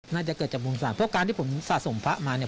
น่าจะเกิดจากวงศาลเพราะการที่ผมสะสมพระมาเนี่ย